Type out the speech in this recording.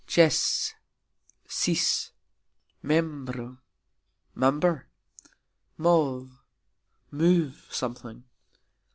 cxes : cease. membro : member. mov : move (something).